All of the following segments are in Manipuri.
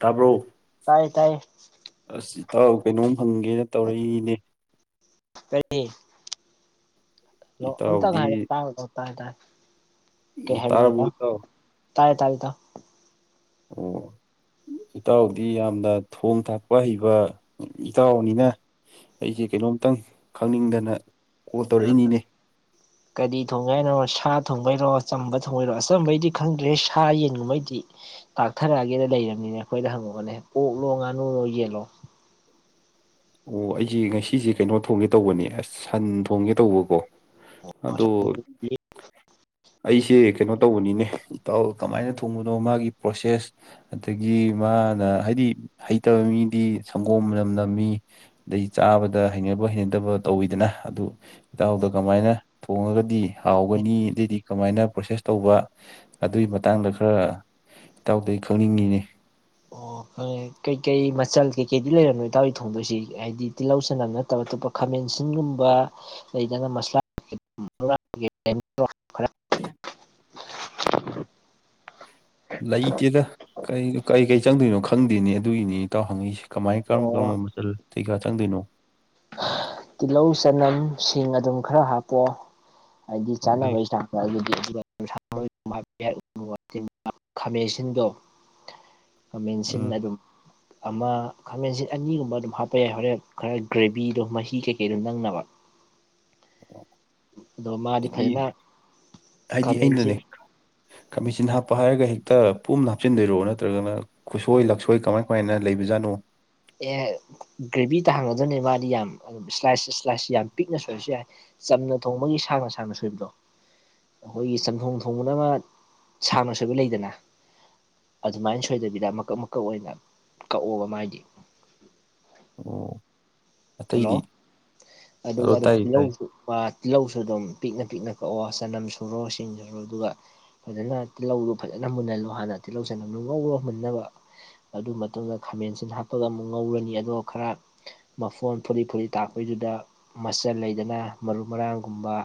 ꯇꯥꯕ꯭ꯔꯣ ꯇꯥꯏꯌꯦ ꯇꯥꯏꯌꯦ ꯑꯁ ꯏꯇꯥꯎ ꯀꯩꯅꯣꯝ ꯍꯪꯒꯦꯅ ꯇꯧꯔꯛꯏꯅꯤꯅꯦ ꯀꯔꯤ ꯑꯝꯇꯒ ꯏꯇꯥꯎꯗꯤ ꯍꯥꯏꯔꯛꯑꯣ ꯇꯥꯕ꯭ꯔꯥ ꯀꯩꯅꯣꯡ ꯇꯧꯔꯦ ꯇꯥꯔꯦ ꯇꯥꯔꯦ ꯀꯩ ꯑꯣ ꯍꯥꯏꯕꯅꯣ ꯇꯥꯔꯕꯣ ꯏꯇꯥꯎ ꯇꯥꯔꯦ ꯇꯥꯔꯦ ꯏꯇꯥꯎ ꯑꯣ ꯏꯇꯥꯎꯗꯤ ꯌꯥꯝꯅ ꯊꯣꯡ ꯊꯥꯛꯄ ꯍꯩꯕ ꯏꯇꯥꯎꯅꯤꯅ ꯑꯩꯖꯦ ꯀꯩꯅꯣꯝꯇꯪ ꯈꯪꯅꯤꯡꯗꯅ ꯀꯣꯜ ꯑꯥ ꯇꯧꯔꯛꯏꯅꯤꯅꯦ ꯀꯔꯤ ꯊꯣꯡꯒꯦ ꯍꯥꯏꯅꯣ ꯁꯥ ꯊꯣꯡꯕꯩꯔꯣ ꯑꯆꯝꯕ ꯊꯣꯡꯕꯩꯔꯣ ꯑꯆꯝꯕꯩꯗꯤ ꯈꯪꯗ꯭ꯔꯦ ꯁꯥ ꯌꯦꯟꯒꯨꯝꯕꯩꯗꯤ ꯇꯥꯛꯊꯔꯛꯑꯒꯦꯅ ꯂꯩꯔꯕꯅꯤꯅꯦ ꯑꯩꯈꯣꯏꯗꯥ ꯍꯪꯉꯛꯑꯣꯅꯦ ꯑꯣꯛꯂꯣ ꯉꯥꯅꯨꯨꯔꯣ ꯌꯦꯜꯂꯣ [inaudible] ꯑꯣ ꯑꯩꯁꯦ ꯉꯁꯤꯖꯂ ꯀꯩꯅꯣ ꯊꯣꯡꯒꯦ ꯇꯧꯕꯅꯦ ꯑꯁ ꯁꯟ ꯊꯣꯡꯒꯦ ꯇꯧꯕꯀꯣ ꯑꯗꯣ ꯑꯩꯁꯦ ꯀꯩꯅꯣ ꯇꯧꯕꯅꯤꯅꯦ ꯏꯇꯥꯎ ꯀꯃꯥꯏꯅ ꯊꯣꯡꯕꯅꯣ ꯃꯥꯒꯤ ꯄ꯭ꯔꯣꯁꯦꯁ ꯑꯗꯒꯤ ꯃꯥꯅ ꯍꯥꯏꯗꯤ ꯍꯩꯇꯕ ꯃꯤꯗꯤ ꯁꯪꯒꯣꯝ ꯃꯅꯝ ꯅꯝꯃꯤ ꯑꯗꯩ ꯆꯥꯕꯗ ꯍꯩꯅꯕ ꯍꯩꯅꯗꯕ ꯇꯧꯋꯤꯗꯅ ꯑꯗꯨ ꯏꯇꯥꯎꯗꯣ ꯀꯃꯥꯏꯅ ꯊꯣꯡꯉꯒꯗꯤ ꯍꯥꯎꯒꯅꯤ ꯑꯗꯩꯗꯤ ꯀꯃꯥꯏꯅ ꯄ꯭ꯔꯣꯁꯦꯁ ꯇꯧꯕ ꯑꯗꯨꯒꯤ ꯃꯇꯥꯡꯗ ꯈꯔ ꯏꯇꯥꯎꯗꯒꯤ ꯈꯪꯅꯤꯡꯉꯤꯅꯦ ꯑꯣ ꯈꯪꯉꯦ ꯀꯩꯀꯩ ꯃꯆꯜ ꯀꯩꯀꯩꯗꯤ ꯂꯩꯔꯝꯅꯣ ꯏꯇꯥꯎꯅ ꯊꯣꯡꯗꯣꯏꯁꯤ ꯍꯥꯏꯗꯤ ꯇꯤꯜꯍꯧ ꯆꯅꯝ ꯅꯠꯇꯕ ꯑꯇꯣꯞꯄ ꯈꯥꯃꯦꯟꯁꯤꯟꯒꯨꯝꯕ ꯂꯩꯗꯅ ꯃꯁꯂꯥ [inaudible] ꯈꯔ ꯂꯩꯇꯦꯗ ꯀꯩ ꯀꯩ ꯆꯪꯗꯣꯏꯅꯣ ꯈꯪꯗꯦꯅ° ꯑꯗꯨꯒꯤꯅꯤ ꯏꯇꯥꯎ ꯍꯪꯉꯛꯏꯁꯦ ꯀꯃꯥꯏꯟ ꯀꯔꯝ ꯀꯔꯝꯕ ꯑꯣ ꯃꯆꯜ ꯀꯩꯀꯥ ꯆꯪꯗꯣꯏꯅꯣ ꯇꯤꯜꯍꯧ ꯆꯅꯝ ꯁꯤꯡ ꯑꯗꯨꯝ ꯈꯔ ꯍꯥꯞꯄꯣ ꯍꯥꯏꯗꯤ ꯑꯗꯩ ꯆꯥꯅꯕꯩꯆꯥꯡ ꯌꯥꯔꯒꯗꯤ ꯑꯗꯨꯒ [unintelligible] [unintelligible] ꯈꯥꯃꯦꯟꯁꯤꯟꯗꯣ ꯈꯥꯃꯦꯟꯁꯤꯟ ꯎꯝ ꯑꯗꯨꯝ ꯑꯃ ꯈꯥꯃꯦꯟꯁꯤꯟ ꯑꯅꯤꯒꯨꯝꯕ ꯑꯗꯨꯝ ꯍꯥꯞꯄ ꯌꯥꯏ ꯍꯣꯔꯦꯟ ꯈꯔ ꯒ꯭ꯔꯦꯚꯤꯗꯣ ꯃꯍꯤ ꯀꯩ ꯀꯩꯗꯣ ꯅꯪꯅꯕ ꯑꯗꯣ ꯃꯥꯗꯤ ꯍꯥꯏꯗꯤ ꯐꯥꯖꯅ ꯀꯥꯃꯦꯟꯁꯤꯟ ꯀꯥꯃꯦꯟꯁꯤꯟ ꯍꯥꯞꯄ ꯍꯥꯏꯔꯒ ꯍꯦꯛꯇ ꯄꯨꯝꯅ ꯍꯥꯞꯆꯤꯟꯗꯣꯏꯔꯣ ꯅꯠꯇ꯭ꯔꯒꯅ ꯈꯨꯠꯁꯣꯏ ꯂꯛꯁꯣꯏ ꯀꯃꯥꯏ ꯀꯃꯥꯏꯅ ꯂꯩꯕꯖꯥꯠꯅꯣ ꯑꯦ ꯒ꯭ꯔꯦꯚꯤ ꯇꯥꯍꯟꯒꯗꯣꯏꯅꯦ ꯃꯥꯗꯤ ꯌꯥꯝ ꯏꯁ꯭ꯂꯥꯏꯁ ꯏꯁ꯭ꯂꯥꯏꯁ ꯌꯥꯝ ꯄꯤꯛꯅ ꯁꯣꯏꯕꯁꯨ ꯌꯥꯏ ꯆꯝꯅ ꯊꯣꯡꯕꯒꯤ ꯁꯥꯡꯅ ꯁꯥꯡꯅ ꯁꯣꯏꯕꯗꯣ ꯑꯩꯈꯣꯏꯒꯤ ꯆꯝꯊꯣꯡ ꯊꯣꯡꯕꯗ ꯑꯃ ꯁꯥꯡꯅ ꯁꯣꯏꯕ ꯂꯩꯗꯅ ꯑꯗꯨꯃꯥꯏꯅ ꯁꯣꯏꯗꯕꯤꯗ ꯃꯀꯛ ꯃꯀꯛ ꯑꯣꯏꯅ ꯀꯛꯑꯣꯕ ꯃꯥꯏꯗꯤ ꯑꯣ ꯊꯠꯂꯣ ꯑꯇꯩꯗꯤ ꯑꯗꯨꯒ ꯑꯗꯣ ꯑꯗꯨꯝ ꯇꯥꯏ ꯇꯤꯜꯍꯧ ꯇꯥꯏ ꯑꯥ ꯇꯤꯜꯂꯧꯁꯨ ꯑꯗꯨꯝ ꯄꯤꯛꯅ ꯄꯤꯛꯅ ꯀꯛꯑꯣ ꯆꯅꯝ ꯁꯨꯔꯣ ꯁꯤꯡ ꯁꯨꯔꯣ ꯑꯗꯨꯒ ꯐꯥꯖꯅ ꯇꯤꯜꯍꯧꯗꯣ ꯐꯥꯖꯅ ꯃꯨꯟꯍꯜꯂꯣ ꯍꯥꯟꯅ ꯇꯤꯜꯍꯧ ꯆꯅꯝꯗꯨ ꯉꯧꯔꯣ ꯃꯨꯟꯅꯕ ꯑꯗꯨ ꯃꯇꯨꯡꯗ ꯈꯥꯃꯦꯟꯁꯤꯟ ꯍꯥꯞꯄꯒ ꯑꯃꯨꯛ ꯉꯧꯔꯅꯤ ꯑꯗꯨꯒ ꯈꯔ ꯃꯐꯣꯟ ꯐꯨꯔꯤꯠ ꯐꯨꯔꯤꯠ ꯇꯥꯔꯛꯄꯩꯗꯨꯗ ꯃꯆꯜ ꯂꯩꯗꯅ ꯃꯔꯨ ꯃꯔꯥꯡꯒꯨꯝꯕ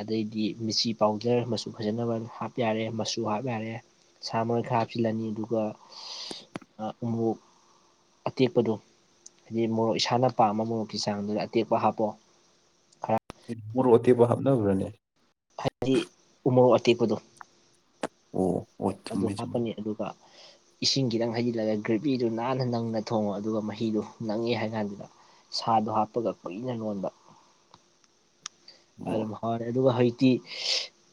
ꯑꯗꯩꯗꯤ ꯃꯤꯆꯤ ꯄꯥꯎꯗꯔ ꯃꯆꯨ ꯐꯖꯅꯕ ꯍꯥꯞ ꯌꯥꯔꯦ ꯃꯆꯨ ꯍꯥꯞ ꯌꯥꯔꯦ ꯁꯥꯃꯔꯣꯏ ꯈꯔ ꯍꯥꯞꯆꯤꯜꯂꯅꯤ ꯑꯗꯨꯒ ꯑ ꯎꯃꯣꯛ ꯑꯇꯦꯛꯄꯗꯨ ꯍꯥꯏꯗꯤ ꯃꯣꯔꯣꯛ ꯏꯁꯥꯅ ꯄꯥꯝꯕ ꯃꯣꯔꯣꯛꯀꯤ ꯆꯥꯡꯗꯨꯗ ꯑꯇꯦꯛꯄ ꯍꯥꯞꯄꯣ ꯈꯔ ꯃꯣꯔꯣꯛ ꯑꯇꯦꯛꯄ ꯍꯥꯞꯅꯕ꯭ꯔꯅꯦ ꯍꯥꯏꯗꯤ ꯎꯃꯣꯔꯣꯛ ꯑꯇꯦꯛꯄꯗꯣ ꯑꯣ ꯑꯣ ꯑꯗꯨ ꯆꯨꯝꯃꯦ ꯆꯨꯝꯃꯦ ꯍꯥꯞꯄꯅꯤ ꯑꯗꯨꯒ ꯏꯁꯤꯡ ꯈꯤꯇꯪ ꯍꯩꯖꯤꯜꯂꯒ ꯒ꯭ꯔꯦꯚꯤꯗꯨ ꯅꯥꯟꯅ ꯅꯪꯅ ꯊꯣꯡꯉꯣ ꯑꯗꯨꯒ ꯃꯍꯤꯗꯨ ꯅꯪꯉꯦ ꯍꯥꯏꯀꯥꯟꯗꯨꯗ ꯁꯥꯗꯣ ꯍꯥꯞꯄꯒ ꯀꯨꯏꯅ ꯅꯣꯟꯕ ꯑꯣ ꯑꯗꯨꯝ ꯍꯥꯎꯔꯅꯤ ꯑꯗꯨꯒ ꯍꯩ ꯇꯤ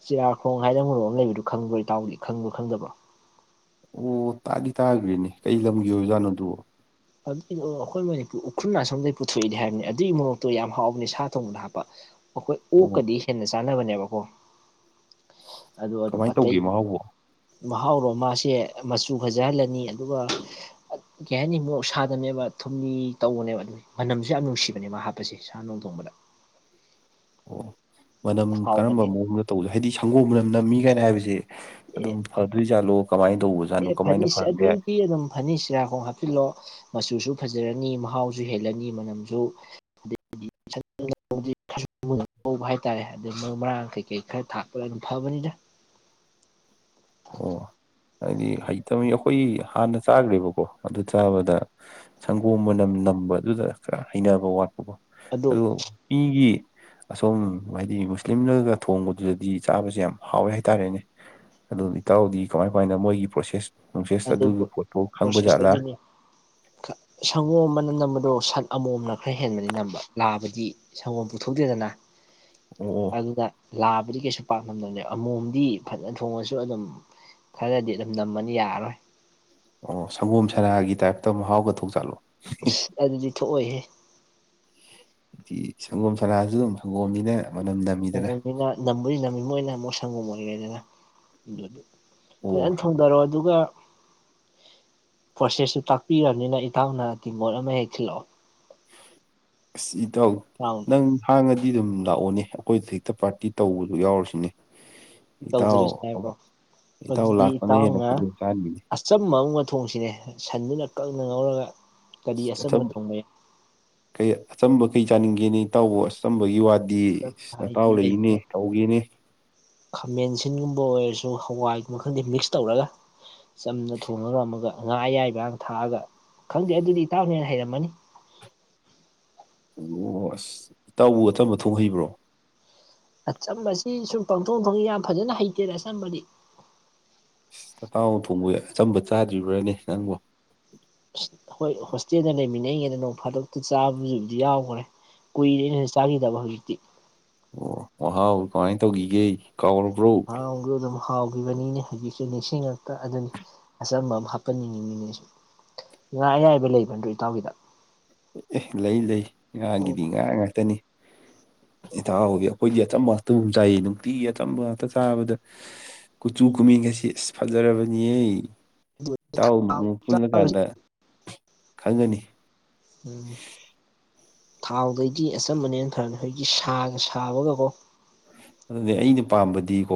ꯆꯤꯌꯥꯥꯔꯈꯣꯡ ꯍꯥꯏꯅ ꯃꯨꯨꯔꯣꯛ ꯑꯃ ꯂꯩꯕꯗꯣ ꯈꯪꯕ꯭ꯔꯣ ꯏꯇꯥꯎꯗꯤ ꯈꯪꯕ꯭ꯔꯣ ꯈꯪꯗꯕ꯭ꯔꯣ ꯑꯣ ꯇꯥꯗꯤ ꯇꯥꯒ꯭ꯔꯦꯅꯦ ꯀꯩ ꯂꯝꯒꯤ ꯑꯣꯏꯕꯖꯥꯠꯅꯣ ꯑꯗꯨꯕꯣ ꯑꯗꯨꯏꯗꯣ ꯑꯩꯈꯣꯏ ꯃꯅꯤꯄꯨꯔ ꯎꯈ꯭ꯔꯨꯜ ꯑꯁꯣꯝꯗꯒꯤ ꯄꯨꯊꯣꯛꯏꯗꯤ ꯍꯥꯏꯕꯅꯤ ꯑꯗꯨꯒꯤ ꯃꯣꯔꯣꯛꯇꯣ ꯌꯥꯝ ꯍꯥꯎꯕꯅꯤ ꯁꯥ ꯊꯣꯡꯕꯗ ꯍꯥꯞꯄ ꯑꯩꯈꯣꯏ ꯑꯣ ꯑꯣꯛꯀꯗꯤ ꯍꯦꯟꯅ ꯆꯥꯅꯕꯅꯦꯕꯀꯣ ꯑꯗꯨ ꯑꯗꯨꯝ ꯀꯃꯥꯏꯅ ꯑꯇꯩ ꯇꯧꯒꯦ ꯃꯍꯥꯎꯕꯣ ꯃꯍꯥꯎꯔꯣ ꯃꯥꯁꯦ ꯃꯆꯨ ꯐꯖꯍꯜꯂꯅꯤ ꯑꯗꯨꯒ ꯀꯩ ꯍꯥꯏꯅꯤ ꯃꯨꯁꯦ ꯁꯥꯗꯕꯅꯦꯕ ꯊꯨꯝꯅꯤ ꯇꯧꯕꯅꯦꯕ ꯑꯗꯨꯝꯒꯤ ꯃꯅꯝꯁꯨ ꯌꯥꯝ ꯅꯨꯡꯁꯤꯕꯅꯦꯕ ꯃꯥ ꯍꯥꯞꯄꯁꯦ ꯁꯥ ꯅꯣꯡ ꯊꯣꯡꯕꯗ ꯑꯣ ꯃꯅꯝ ꯍꯥꯎꯕꯅꯦ ꯀꯔꯝꯕ ꯃꯑꯣꯡꯗ ꯇꯧꯖ ꯍꯥꯏꯗꯤ ꯁꯪꯒꯣꯝ ꯃꯅꯝ ꯅꯝꯃꯤ ꯀꯥꯏꯅ ꯍꯥꯏꯕꯖꯦ ꯑꯗꯨꯝ ꯑꯦ ꯐꯗꯣꯏꯖꯥꯠꯂꯣ ꯀꯃꯥꯏꯅ ꯇꯧꯕꯖꯥꯠꯅꯣ ꯀꯃꯥꯏꯅ ꯐꯍꯟꯕꯌꯥꯏ ꯑꯅꯤꯁꯤꯔꯥꯈꯣꯡ ꯍꯥꯞꯆꯤꯜꯂꯣ ꯃꯆꯨꯁꯨ ꯐꯖꯔꯅꯤ ꯃꯍꯥꯎꯁꯨ ꯍꯦꯜꯂꯅꯤ ꯃꯅꯝꯖꯨ [unintelligible] ꯍꯧꯕ ꯍꯥꯏꯇꯥꯔꯦ ꯑꯗꯩ ꯃꯔꯨ ꯃꯔꯥꯡ ꯀꯩ ꯀꯩ ꯈꯔ ꯊꯥꯛꯄꯗ ꯑꯗꯨꯝ ꯐꯕꯅꯤꯗ ꯑꯣ ꯍꯥꯏꯗꯤ ꯍꯩꯇꯕ ꯑꯩꯈꯣꯏ ꯍꯥꯟꯅ ꯆꯥꯈ꯭ꯔꯦꯕꯀꯣ ꯑꯗꯨ ꯆꯥꯕꯗ ꯁꯪꯒꯣꯝ ꯃꯅꯝ ꯅꯝꯕꯗꯨꯗ ꯈꯔ ꯍꯩꯅꯕ ꯋꯥꯠꯄ ꯀꯣ ꯑꯗꯨ ꯑꯗꯣ ꯃꯤꯒꯤ ꯑꯁꯣꯝ ꯍꯥꯏꯗꯤ ꯃꯨꯁꯂꯤꯝꯅꯒ ꯊꯣꯡꯕꯗꯨꯗꯗꯤ ꯆꯥꯕꯁꯦ ꯌꯥꯝ ꯍꯥꯎꯋꯦ ꯍꯥꯏꯇꯥꯔꯦꯅꯦ ꯑꯗꯨ ꯏꯇꯥꯎꯗꯤ ꯀꯃꯥꯏ ꯀꯃꯥꯏꯅ ꯃꯣꯏꯒꯤ ꯄ꯭ꯔꯣꯁꯦꯁ ꯅꯨꯡꯁꯦꯁ ꯑꯗꯨ ꯑꯗꯨꯒꯤ ꯄꯣꯠꯇꯣ ꯈꯪꯕ ꯄ꯭ꯔꯣꯁꯦꯁꯇ ꯖꯥꯠꯂꯥ ꯑꯗꯨꯅꯤ ꯁꯪꯒꯣꯝ ꯑꯃꯅ ꯅꯝꯕꯗꯣ ꯁꯛ ꯑꯃꯣꯝꯅ ꯈꯔ ꯍꯦꯟꯕꯗꯤ ꯅꯝꯕ ꯂꯥꯕꯗꯤ ꯁꯪꯒꯣꯝ ꯄꯨꯊꯣꯛꯇꯦꯗꯅ ꯑꯣ- ꯑꯣ ꯑꯗꯨꯗ ꯂꯥꯕꯗꯤ ꯀꯩꯁꯨ ꯄꯥꯛꯅꯝꯗꯕꯅꯦ ꯑꯃꯣꯝꯗꯤ ꯐꯅ ꯊꯣꯡꯉꯁꯨ ꯑꯗꯨꯝ ꯈꯔꯗꯤ ꯑꯗꯨꯝ ꯅꯝꯃꯅꯤ ꯌꯥꯔꯔꯣꯏ ꯑꯣ ꯁꯪꯒꯣꯝ ꯁꯅꯥꯒꯤ ꯇꯥꯏꯞꯇ ꯃꯍꯥꯎꯒ ꯊꯣꯡꯆꯥꯠꯂꯣ ꯑꯗꯨꯗꯤ ꯊꯣꯛꯑꯣꯏꯍꯦ ꯍꯥꯏꯗꯤ ꯁꯪꯒꯣꯝ ꯁꯅꯥꯁꯨ ꯑꯗꯨꯝ ꯁꯪꯒꯣꯝꯅꯤꯅ ꯃꯅꯝ ꯅꯝ ꯁꯪꯒꯣꯝꯅꯤꯅ ꯅꯝꯕꯨꯗꯤ ꯅꯝꯃꯤ ꯃꯣꯏꯅ ꯑꯃꯨꯛ ꯁꯪꯒꯣꯝ ꯑꯣꯏꯔꯦꯗꯅ ꯗꯨ ꯐꯖꯟ ꯑꯣ ꯊꯣ [unintelligible] ꯊꯣꯡꯗꯔꯣ ꯑꯗꯨꯒ ꯄ꯭ꯔꯣꯁꯦꯁꯁꯨ ꯇꯥꯛꯄꯤꯔꯕꯅꯤꯅ ꯏꯇꯥꯎꯅ ꯇꯤꯡꯒꯣꯠ ꯑꯃ ꯍꯦꯛ ꯊꯤꯂꯛꯑꯣ ꯑꯁ ꯏꯇꯥꯎ ꯏꯇꯥꯎꯅ ꯅꯪ ꯍꯥꯡꯉꯗꯤ ꯑꯗꯨꯝ ꯂꯥꯛꯑꯣꯅꯦ ꯑꯩꯈꯣꯏꯗ ꯍꯦꯛꯇ ꯄꯥꯔꯇꯤ ꯇꯧꯕꯗꯨ ꯌꯥꯎꯔꯁꯤꯅꯦ ꯏꯇꯥꯎ ꯇꯧꯖꯔꯁꯤ ꯍꯥꯏꯕ꯭ꯔꯣ -ꯏꯇꯥꯎ ꯑꯗꯨꯗꯤ ꯂꯥꯛꯄꯅ ꯍꯦꯟꯅ ꯏꯇꯥꯎꯅ ꯈꯨꯗꯣꯡ ꯆꯥꯍꯟꯅꯤꯡꯅꯤ ꯑꯆꯝꯕ ꯑꯃ ꯊꯣꯡꯁꯤꯅꯦ ꯁꯟꯗꯨꯅ ꯀꯪꯅ ꯉꯧꯔꯒ ꯀꯔꯤ ꯑꯆꯝꯕ ꯑꯆꯝ [unintelligible] ꯊꯣꯡꯕ ꯌꯥꯏ ꯀꯩ ꯑꯆꯝꯕ ꯀꯩ ꯆꯥꯅꯤꯡꯒꯦꯅꯤ ꯏꯇꯥꯎꯕꯨ ꯑꯆꯝꯕꯒꯤ ꯋꯥꯗꯤ ꯗꯤ ꯑꯆꯝꯕ ꯅꯇꯥꯎ ꯍꯥꯏꯗꯤ ꯂꯩꯔꯤꯅꯦ ꯂꯩꯗꯅ ꯇꯧꯒꯦꯅꯦ ꯈꯥꯃꯦꯟ ꯑꯁꯤꯟꯒꯨꯝꯕ ꯑꯣꯏꯔꯁꯨ ꯍꯋꯥꯏꯒꯨꯝ ꯈꯪꯗꯦ ꯃꯤꯛꯁ ꯇꯧꯔꯒ ꯆꯝꯅ ꯊꯣꯡꯉꯒ ꯑꯝꯃꯒ ꯉꯥ ꯑꯌꯥꯏꯕ ꯊꯥꯛꯑꯒ ꯈꯪꯗꯦ ꯑꯗꯨꯗꯤ ꯏꯇꯥꯎꯅ ꯍꯦꯟꯅ ꯍꯩꯔꯝꯃꯅꯤ ꯑꯣ ꯑꯁ ꯏꯇꯥꯎꯕ ꯑꯆꯝꯕ ꯊꯣꯡꯕ ꯍꯩꯕ꯭ꯔꯣ ꯑꯆꯝꯕꯁꯤ ꯁꯨꯝ ꯄꯪꯊꯣꯡ ꯊꯣꯡꯉꯤ ꯌꯥꯝ ꯐꯖꯅ ꯍꯩꯇꯦꯗ ꯑꯆꯝꯕꯗꯤ ꯇꯇꯥꯎ ꯊꯣꯡꯕ‌ꯣꯏ ꯑꯆꯝꯕ ꯆꯥꯗ꯭ꯔꯤꯕ꯭ꯔꯅꯦ ꯅꯪꯕ‌ꯣ ꯍꯣꯏ ꯍꯣꯁꯇꯦꯟꯗ ꯂꯩꯃꯤꯟꯅꯩꯉꯩꯗ ꯅꯣꯡ ꯐꯥꯗꯣꯛꯇ ꯆꯥꯕꯖꯤꯕꯨꯗꯤ ꯌꯥꯎꯒꯔꯦ ꯀꯨꯏꯔ‌ꯦꯅ‌‌ꯦ ꯆꯥꯒꯤꯗꯕ ꯍꯧꯖꯤꯛꯇꯤ ꯑꯣ ꯋꯥꯍꯥꯎ ꯀꯃꯥꯏ ꯇꯧꯒꯤꯒꯦ ꯀꯥꯎꯔꯕ꯭ꯔꯣ ꯑꯗꯨꯅ ꯃꯍꯥꯎꯒꯤꯕꯅꯤꯅꯦ ꯍꯧꯖꯤꯛꯁꯦ ꯅꯤꯡꯁꯤꯡꯉꯛꯇ ꯑꯗꯨꯅꯤ ꯑꯆꯝꯕ ꯑꯃ ꯍꯥꯞꯀꯟꯅꯤꯡꯉꯤꯅꯤꯅꯦꯁ ꯉꯥ ꯑꯌꯥꯏꯕ ꯂꯩꯕ ꯅꯠꯇ꯭ꯔꯣ ꯏꯇꯥꯎꯒꯤꯗ ꯑꯦ ꯂꯩ ꯂꯩ ꯉꯥꯒꯤꯗꯤ ꯉꯥ ꯉꯥꯛꯇꯅꯤ ꯏꯇꯥꯎꯒꯤ ꯑꯩꯈꯣꯏꯗꯤ ꯑꯆꯝꯕ ꯉꯥꯛꯇꯕꯨ ꯆꯥꯏꯌꯦ ꯅꯨꯡꯇꯤꯒꯤ ꯑꯆꯝꯕ ꯉꯥꯛꯇ ꯆꯥꯕꯗ ꯀꯨꯆꯨ ꯀꯨꯃ‌ꯦꯟꯒꯁꯤ ꯑꯁ ꯐꯖꯔꯕꯅꯤꯍꯦ ꯏꯇꯥꯎ ꯑꯃꯨꯛ ꯑꯣ ꯑꯃꯨꯛ ꯆꯥꯕꯁꯤ ꯄꯨꯜꯂꯀꯥꯟꯗ ꯈꯪꯒꯅꯤ ꯎꯝ ꯊꯥꯎꯗꯩꯗꯤ ꯑꯆꯝꯕꯅ ꯍꯦꯟꯅ ꯐꯔꯕꯅꯤ ꯍꯧꯖꯤꯛꯗꯤ ꯁꯥꯒ ꯁꯥꯕꯒꯀꯣ ꯑꯗꯨꯅꯦ ꯑꯩꯅ ꯄꯥꯝꯕꯗꯤꯀꯣ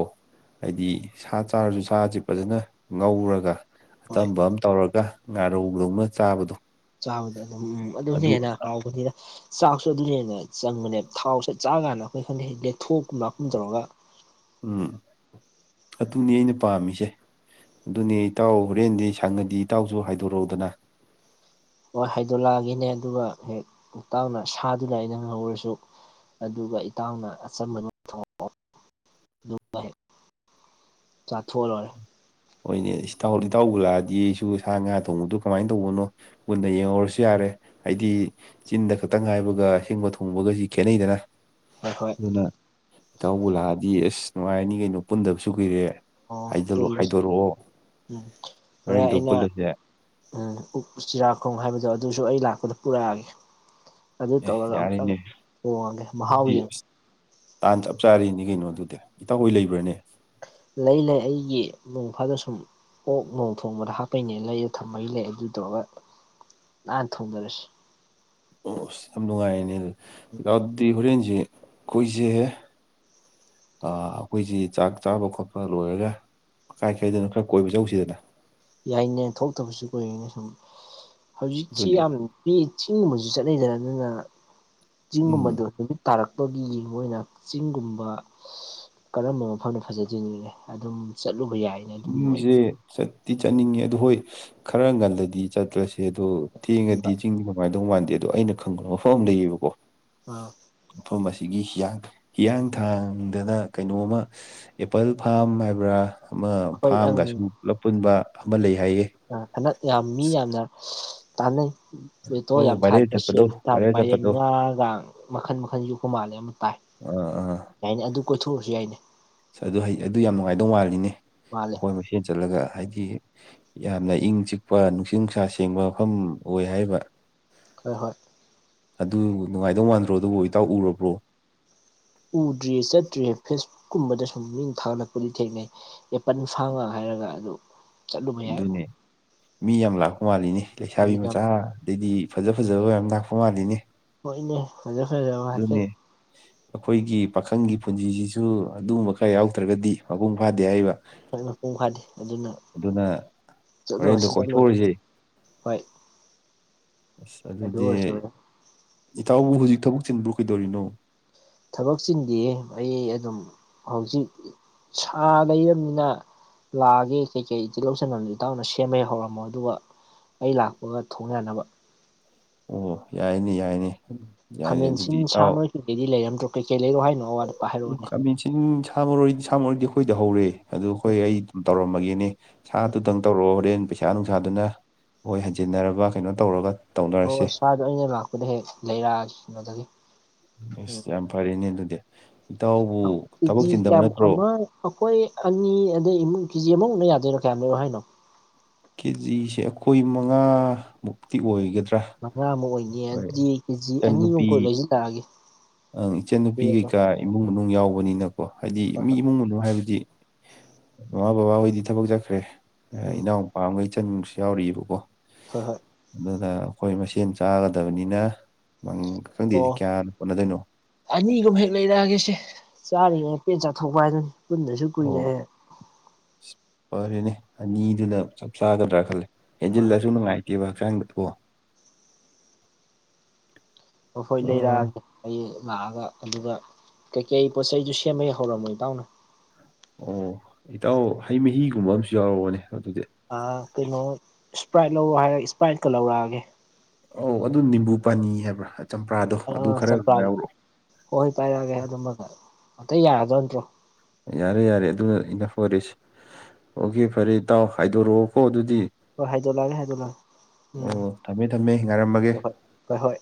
ꯍꯥꯏꯗꯤ ꯁꯥ ꯆꯥꯔꯖꯨ ꯁꯥꯖꯤ ꯐꯖꯅ ꯉꯧꯔꯒ ꯍꯣꯏ ꯑꯆꯝꯕ ꯑꯃ ꯇꯧꯔꯒ ꯉꯥꯔꯧ ꯂꯧꯅ ꯆꯥꯕꯗꯣ ꯆꯥꯕꯗ ꯑꯗꯨꯝ ꯑꯗꯨꯅ ꯑꯗꯨ ꯍꯦꯟꯅ ꯍꯥꯎꯕꯅꯤꯗ ꯆꯥꯛꯁꯨ ꯑꯗꯨꯅ ꯍꯦꯟꯅ ꯆꯪꯕꯅꯦ ꯊꯥꯎꯁꯦ ꯆꯥ ꯀꯥꯟꯗ ꯑꯩꯈꯣꯏ ꯈꯪꯗ‌ꯦ ꯂꯦꯛꯊꯣꯛꯀꯨꯝ ꯂꯥꯛꯀꯨꯝ ꯇꯧꯔꯒ ꯎꯝ ꯑꯇꯨꯅꯤ ꯑꯩꯅ ꯄꯥꯝꯃꯤꯁꯦ ꯑꯗꯨꯅꯦ ꯏꯇꯥꯎ ꯍꯣꯔꯦꯟꯗꯤ ꯁꯪꯉꯗꯤ ꯏꯇꯥꯎꯖꯨ ꯍꯥꯏꯗꯣꯔꯛꯎꯗꯅ ꯍꯣꯏ ꯍꯥꯏꯗꯣꯛꯂꯛꯑꯒ‌ꯦꯅꯦ ꯑꯗꯨꯒ ꯍꯦꯛ ꯏꯇꯥꯎꯅ ꯁꯥꯗꯨꯅ ꯑꯩꯅ ꯉꯧꯔꯁꯨ ꯑꯗꯨꯒ ꯏꯇꯥꯎꯅ ꯑꯆꯝꯕꯗꯨ ꯊꯛꯑꯣ ꯑꯗꯨꯒ ꯆꯥꯊꯣꯛꯑ ꯂꯣꯏꯔꯦ ꯍ‌ꯣꯏꯅꯦ ꯏꯁꯇꯥꯎ ꯏꯇꯥꯎꯕꯨ ꯂꯥꯛꯑꯗꯤ ꯑꯩꯁꯨ ꯁꯥ ꯉꯥ ꯊꯣꯡꯕꯗꯣ ꯀꯃꯥꯏ ꯇꯧꯕꯅꯣ ꯃꯨꯟꯅ ꯌꯦꯡꯍꯧꯔꯁꯨ ꯌꯥꯔꯦ ꯍꯥꯏꯗꯤ ꯆꯤꯟꯗ ꯈꯇꯡ ꯍꯥꯏꯕꯒ ꯍꯤꯡꯕ ꯊꯣꯡꯕꯒꯁꯤ ꯈꯦꯠꯅꯩꯗꯅ ꯍꯣꯏ ꯍꯣꯏ ꯑꯗꯨꯅ ꯏꯇꯥꯎꯕꯨ ꯂꯥꯛꯑꯗꯤ ꯑꯁ ꯅꯨꯡꯉꯥꯏꯔꯅꯤ ꯀꯩꯅꯣ ꯄꯨꯟꯗꯕꯁꯨ ꯀꯨꯏꯔꯦ ꯑꯣ ꯄꯨꯟꯂꯁꯤ ꯍꯥꯏꯗꯣꯔꯛꯑꯣ ꯎꯝ ꯍꯣꯔꯦ ꯍꯣꯔꯦꯟꯗꯣ ꯑꯩꯅ ꯄꯨꯜꯂꯁꯦ ꯎꯝ ꯑꯨꯛ ꯆꯤꯔꯥꯈꯣꯡ ꯍꯥꯏꯕꯗꯣ ꯑꯗꯨꯁꯨ ꯑꯩ ꯂꯥꯛꯄꯗ ꯄꯨꯔꯛꯑꯒꯦ ꯑꯗꯨ ꯑꯦ ꯇꯧꯔꯒ ꯑꯝꯇꯪ ꯌꯥꯔꯦꯅꯦ ꯊꯣꯡꯉꯒꯦ ꯃꯍꯥꯎ ꯑꯗꯨꯗꯤ ꯌꯦꯡ ꯑꯁ ꯇꯥꯟ ꯆꯞ ꯆꯥꯔꯤꯅꯤ ꯀꯩꯅꯣ ꯑꯗꯨꯗꯤ ꯏꯇꯥꯎꯍꯣꯏ ꯂꯩꯕ꯭ꯔꯅꯦ ꯂꯩ ꯂꯩ ꯑꯩꯒꯤ ꯅ‌ꯣꯡ ꯐꯥꯗ ꯁꯨꯝ ꯑꯣꯛ ꯅꯣꯡ ꯊꯣꯡꯕꯗ ꯍꯥꯞꯄꯩꯅꯦꯅ ꯂꯩꯔ ꯊꯝꯕꯩ ꯂꯩ ꯑꯗꯨ ꯇꯧꯔꯒ ꯅꯥꯟꯅ ꯊꯣꯡꯗꯔꯁꯤ ꯑꯣꯁ ꯌꯥꯝ ꯅꯨꯡꯉꯥꯏꯔꯦꯅꯦ ꯑꯗꯨ ꯑ ꯑꯗꯨꯗꯤ ꯍꯣꯔꯦꯟꯖꯤ ꯈꯣꯏꯖ‌ꯦ ꯑꯥ ꯑꯩꯈꯣꯏꯖꯤ ꯆꯥꯛ ꯆꯥꯕ ꯈꯣꯠꯄ ꯂꯣꯏꯔꯒ ꯀꯥꯏ ꯀꯥꯏꯗꯅꯣ ꯈꯔ ꯀꯣꯏꯕ ꯆꯧꯁꯤꯗꯅ ꯌꯥꯏꯅꯦ ꯊꯣꯛꯇꯕꯁꯨ ꯀꯨꯏꯔꯦꯅꯦ ꯁꯨꯝ ꯍꯧꯖꯤꯛꯁꯤ ꯑꯗꯨꯅꯦ ꯌꯥꯝꯅ ꯃꯤ ꯆꯤꯡꯒꯨꯝꯕꯖꯨ ꯆꯠꯅꯩꯗꯅ ꯑꯗꯨꯅ ꯎꯝ ꯆꯤꯡꯒꯨꯝꯕꯗꯣ ꯅꯨꯃꯤꯠ ꯇꯥꯔꯛꯄꯒꯤ ꯃꯣꯏꯅ ꯆꯤꯡꯒꯨꯝꯕ ꯀꯔꯝꯕ ꯃꯐꯝꯗ ꯐꯖꯗ‌ꯣꯏꯅꯤꯅ‌ꯦ ꯑꯗꯨꯝ ꯆꯠꯂꯨꯕ ꯌꯥꯏ ꯆꯤꯡꯖꯦ ꯆꯠꯇꯤ ꯆꯠꯅꯤꯡꯉꯦ ꯑꯗꯨ ꯍꯣꯏ ꯈꯔ ꯉꯜꯂꯗꯤ ꯆꯠꯂꯁꯤ ꯍ‌ꯦ ꯑꯗꯣ ꯈꯟꯕ ꯊꯦꯡꯉꯗꯤ ꯆꯤꯡꯗꯤ ꯅꯨꯡꯉꯥꯏꯗꯧ ꯃꯥꯟꯗꯦ ꯑꯗꯣ ꯑꯩꯅ ꯈꯪꯕ ꯃꯐꯝ ꯑꯝ ꯂꯩꯌꯦꯕꯀꯣ ꯑ ꯃꯐꯝ ꯑꯁꯤꯒꯤ ꯍꯤꯌꯥꯡ ꯍꯤꯌꯥꯡꯊꯥꯡꯗꯅ ꯀꯩꯅꯣꯝꯃ ꯑꯦꯄꯜ ꯐꯥꯝ ꯍꯥꯏꯕ꯭ꯔꯥ ꯑꯃ ꯑꯩꯈꯣꯏ ꯑꯪ ꯐꯥꯝꯒ ꯁꯨꯝ ꯄꯨꯂꯞ ꯄꯨꯟꯕ ꯑꯃ ꯂꯩ ꯍꯥꯏꯌꯦ ꯑ ꯍꯟꯗꯛ ꯌꯥꯝ ꯃꯤ ꯌꯥꯝꯅ ꯇꯥꯟꯅꯩ ꯐꯇꯣ ꯑꯣ ꯌꯥꯝ ꯚꯥꯏꯔꯦꯜ ꯊꯥꯠꯄ ꯆꯠꯄꯗꯣ ꯁꯦꯜ ꯚꯥꯏꯔꯦꯜ ꯊꯥꯄ ꯆꯠꯄꯗꯣ ꯉꯥꯒ ꯃꯈꯟ ꯃꯈꯟꯁꯨ ꯌꯣꯛꯄ ꯃꯥꯜꯂꯦ ꯑꯃ ꯇꯥꯏ ꯑꯥ ꯑꯥ ꯌꯥꯏꯅꯦ ꯑꯗꯨ ꯀꯣꯏꯊꯣꯛꯑꯁꯨ ꯌꯥꯏꯅꯦ ꯑꯗꯨ ꯍꯩ-ꯑꯗꯨ ꯌꯥꯝ ꯅꯨꯡꯉꯥꯏꯗꯧ ꯃꯥꯜꯂꯤꯅꯦ ꯃꯥꯜꯂꯦ ꯑꯩꯈꯣꯏ ꯃꯁꯦꯟ ꯆꯠꯂꯒ ꯍꯥꯏꯗꯤ ꯌꯥꯝꯅ ꯏꯪ ꯆꯤꯛꯄ ꯅꯨꯡꯁꯤ ꯅꯨꯡꯁꯥ ꯁꯦꯡꯕ ꯃꯐꯝ ꯑꯣꯏ ꯍꯥꯏꯕ ꯍꯣꯏ ꯍꯣꯏ ꯑꯗꯨ ꯅꯨꯡꯉꯥꯏꯗꯧ ꯃꯥꯟꯗ꯭ꯔꯣ ꯑꯗꯨꯕꯨ ꯏꯇꯥꯎ ꯎꯔꯕ꯭ꯔꯣ ꯎꯗ꯭ꯔꯤꯌꯦ ꯆꯠꯇ꯭ꯔꯤꯌꯦ ꯐꯦꯁꯕꯨꯛ ꯀꯨꯝꯕꯗ ꯁꯨꯝ ꯃꯤ ꯊꯥꯡꯒꯠꯂꯛꯄꯗꯤ ꯊꯦꯡꯅꯩ ꯑꯦꯄꯟ ꯐꯥꯝꯒ ꯍꯥꯏꯔꯒ ꯑꯗꯨ ꯆꯠꯂꯨꯕ ꯌꯥꯏ ꯑꯗꯨꯅꯦ ꯃꯤ ꯌꯥꯝ ꯂꯥꯛꯄ ꯃꯥꯜꯂꯤꯅꯦ ꯂꯩꯁꯥꯕꯤ ꯃꯤ ꯌꯥꯝ ꯃꯆꯥ ꯑꯗꯩꯗꯤ ꯐꯖ ꯐꯖꯕꯌꯥꯝ ꯂꯥꯛꯄ ꯃꯥꯜꯂꯤꯅꯦ ꯍꯣꯏꯅꯦ ꯐꯖ ꯐꯖꯕ ꯍꯥꯏꯐꯦꯠ ꯑꯗꯨꯅꯦ ꯑꯩꯈꯣꯏꯒꯤ ꯄꯥꯈꯪꯒꯤ ꯄꯨꯟꯁꯤꯁꯤꯁꯨ ꯑꯗꯨꯒꯨꯝꯕ ꯈꯔ ꯌꯥꯎꯗ꯭ꯔꯒꯗꯤ ꯃꯄꯨꯡ ꯐꯥꯗꯦ ꯍꯥꯏꯕ ꯍꯣꯏ ꯃꯄꯨꯡ ꯐꯥꯗꯦ ꯑꯗꯨꯅ ꯍꯣꯔꯦꯟꯗꯣ ꯆꯠꯂꯨꯔꯁꯤ ꯆꯠꯂꯨꯔꯁꯤ ꯀꯣꯏꯊꯣꯛꯎꯔꯁꯦ ꯍꯣꯏ ꯑꯁ ꯑꯗꯨ ꯑꯗꯨꯗꯤ ꯑꯣꯏꯔꯁꯨ ꯏꯇꯥꯎꯕꯨ ꯍꯧꯖꯤꯛ ꯊꯕꯛ ꯆꯤꯟꯕ꯭ꯔꯣ ꯀꯩꯗꯧꯔꯤꯅꯣ ꯊꯕꯛꯆꯤꯟꯗꯤꯌꯦ ꯑꯩ ꯑꯗꯨꯝ ꯍꯧꯖꯤꯛ ꯁꯥ ꯂꯩꯔꯝꯅꯤꯅ ꯂꯥꯛꯑꯒꯦ ꯀꯩ ꯀꯩ ꯇꯤꯂꯧ ꯆꯟꯝꯗꯤ ꯏꯇꯥꯎꯅ ꯁꯦꯝꯃ ꯍꯧꯔꯝꯃꯣ ꯑꯗꯨꯒ ꯑꯩ ꯂꯥꯛꯄꯒ ꯊꯣꯡ ꯌꯥꯟꯅꯕ ꯑꯣ ꯌꯥꯏꯅꯦ ꯌꯥꯏꯅꯦ ꯌꯥꯏꯅꯦ ꯑꯗꯨꯗꯤ ꯈꯥꯃꯦꯟꯁꯤꯟ ꯁꯥ ꯏꯇꯥꯎ ꯃꯔꯣꯏ ꯀꯩ ꯀꯩ ꯗꯤ ꯂꯩꯔꯝꯅꯇꯔꯣ ꯀꯩ ꯀꯩ ꯂꯩꯔꯣ ꯍꯥꯏꯅꯣ ꯑꯋꯥꯠ ꯑꯄꯥ ꯍꯥꯏꯔꯛꯑꯣꯅꯦ ꯈꯥꯃꯦꯟꯁꯤꯟ ꯁꯥꯃꯔꯣꯏꯗꯤ ꯁꯥꯃꯔꯣꯏꯗꯤ ꯑꯩꯈꯣꯏꯗ ꯍꯧꯔꯦ ꯑꯗꯨ ꯑꯩꯈꯣꯏ ꯎꯝ ꯑꯩ ꯑꯗꯨꯝ ꯇꯧꯔꯝ ꯃꯒꯦꯅꯦ ꯎꯝ ꯁꯥꯗꯨꯇꯪ ꯇꯧꯔꯣ ꯍꯣꯔꯦꯟ ꯄꯩꯁꯥ ꯅꯨꯡꯁꯥꯗꯨꯅ ꯍꯣꯏ ꯍꯟꯖꯤꯟꯅꯔꯕ ꯀꯩꯅꯣ ꯇꯧꯔꯒ ꯍꯣꯏ ꯇꯧꯅꯔꯁꯦ ꯍꯣꯏ ꯁꯥꯗꯣ ꯑꯩꯅ ꯂꯥꯛꯄꯗ ꯍꯦꯛ ꯂꯩꯔꯛꯑꯒꯦ ꯀꯩꯅꯣꯗꯒꯤ ꯎꯝ ꯏꯁ ꯌꯥꯝ ꯐꯔꯦꯅꯦ ꯑꯗꯨꯗꯤ ꯏꯇꯥꯎꯕꯨ ꯊꯕꯛ ꯀꯦꯖꯤ ꯆꯤꯟꯗꯕ ꯀꯌꯥꯝ ꯅꯠꯇ꯭ꯔꯣ ꯑꯃ ꯑꯩꯈꯣꯏ ꯑꯅꯤ ꯑꯗꯩ ꯏꯃꯨꯡ ꯀꯦꯖꯤ ꯑꯃꯃꯨꯛ ꯌꯥꯗꯣꯏꯅꯣ ꯀꯌꯥꯝ ꯂꯩꯔꯣ ꯍꯥꯏꯅꯣ ꯀꯦꯖꯤꯁꯦ ꯑꯩꯈꯣꯏ ꯃꯉꯥ ꯃꯨꯛꯇꯤ ꯑꯣꯏꯒꯗ꯭ꯔꯥ ꯃꯉꯥꯃꯨꯛ ꯑꯣꯏꯅꯤꯌꯦ ꯍꯣꯏ ꯑꯗꯨꯗꯤ ꯀꯦꯖꯤ ꯑꯅꯤꯃꯨꯛ ꯏꯆꯟꯅꯨꯄꯤ ꯀꯨ ꯂꯩꯏꯁꯤꯜꯂꯛꯑꯒꯦ ꯑꯪ ꯏꯆꯟ ꯅꯨꯄꯤ ꯀꯩꯀꯥ ꯏꯃꯨꯡ ꯃꯅꯨꯡ ꯌꯥꯎꯕꯅꯤꯅꯀꯣ ꯍꯥꯏꯗꯤ ꯍꯣꯏ ꯃꯤ ꯍꯣꯏ ꯏꯃꯨꯡ ꯍꯥꯏꯕꯗꯤ ꯃꯃꯥ ꯕꯕꯥꯍꯣꯏꯗꯤ ꯊꯕꯛ ꯆꯠꯈ꯭ꯔꯦ ꯎꯝ ꯏꯅꯥꯎ ꯄꯥ ꯑꯝꯒ ꯏꯆꯟꯁꯨ ꯌꯥꯎꯔꯤꯕꯀꯣ ꯍꯣꯏ ꯍꯣꯏ ꯑꯗꯨꯅ ꯑꯩꯈꯣꯏ ꯃꯁꯦꯟ ꯆꯥꯒꯗꯕꯅꯤꯅ ꯅꯪ ꯈꯪꯗꯦ ꯀꯌꯥꯅ ꯀꯣꯟꯅꯗꯣꯏꯅꯣ ꯑꯅꯤꯗꯨꯝ ꯍꯦꯛ ꯂꯩꯔꯛꯑꯒꯦꯁꯦ ꯆꯥꯔꯤꯉꯩ ꯄꯦꯟꯅ ꯆꯥꯊꯣꯛꯄ ꯍꯥꯏꯗꯨꯅꯤ ꯄꯨꯟꯗꯁꯨ ꯑꯣ ꯀꯨꯏꯔꯦ ꯐꯔꯦꯅꯦ ꯑꯅꯤꯗꯨꯅ ꯆꯞ ꯆꯥꯒꯗ꯭ꯔꯥ ꯈꯜꯂꯦ ꯍꯣꯏ ꯍꯦꯟꯖꯤꯜꯂꯁꯨ ꯅꯨꯡꯉꯥꯏ ꯀꯦꯕ ꯍꯛꯆꯥꯡꯗ ꯑꯣ ꯍꯣ ꯍꯣꯏ ꯂꯩꯔꯛꯑꯒꯦ ꯍꯌꯦꯡ ꯂꯥꯛꯑꯒ ꯑꯗꯨꯒ ꯀꯩꯀꯩ ꯄꯣꯠ ꯆꯩꯩꯗꯨ ꯁꯦꯝꯕ ꯌ ꯍꯧꯔꯝꯃꯣ ꯏꯇꯥꯎꯅ ꯑꯣ ꯏꯇꯥꯎ ꯍꯩ ꯃꯍꯤꯒꯨꯝꯕ ꯑꯃꯁꯨ ꯌꯥꯎꯔꯛꯑꯣꯅꯦ ꯑꯗꯨꯗꯤ ꯑ ꯀꯩꯅꯣ ꯏꯁꯄ꯭ꯔꯥꯏꯠ ꯂꯧꯔꯣ ꯍꯥꯏꯔ ꯏꯁꯄ꯭ꯔꯥꯏꯠꯀ ꯂꯧꯔꯛꯑꯒꯦ ꯑꯧ ꯑꯗꯨ ꯅꯤꯝꯕꯨ ꯄꯥꯅꯤ ꯍꯥꯏꯕ꯭ꯔꯥ ꯆꯝꯄ꯭ꯔꯥꯗꯣ ꯑꯗꯨ ꯑ ꯈꯔꯒ ꯆꯝꯄ꯭ꯔꯥꯒꯤ ꯌꯥꯎꯔꯛꯑꯣ ꯍꯣꯏ ꯍꯣꯏ ꯄꯥꯏꯔꯛꯑꯒꯦ ꯑꯗꯨꯃꯒ ꯑꯇꯩ ꯌꯥꯔꯗꯧ ꯅꯠꯇ꯭ꯔꯣ ꯌꯥꯔꯦ ꯌꯥꯔꯦ ꯑꯗꯨꯅ ꯏꯅꯐ ꯑꯣꯏꯔꯦꯁꯤ ꯑꯣꯀꯦ ꯐꯔꯦ ꯏꯇꯥꯎ ꯍꯥꯏꯗꯣꯔꯛꯑꯣꯀꯣ ꯑꯗꯨꯗꯤ ꯍꯣꯏ ꯍꯥꯏꯗꯣꯛꯂꯛꯑꯒꯦ ꯍꯥꯏꯗꯣꯛꯂꯛꯑꯒꯦ ꯎꯝ ꯑꯣ ꯊꯝꯃꯦ ꯊꯝꯃꯦ ꯉꯥꯏꯔꯝꯃꯒꯦ ꯍꯣꯏ ꯍꯣꯏ ꯍꯣꯏ ꯍꯣꯏ